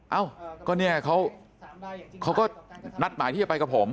เอ้าก็เนี่ยเขาก็นัดหมายที่จะไปกับผม